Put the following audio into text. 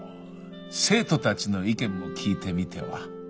生徒たちの意見も聞いてみてはねっ。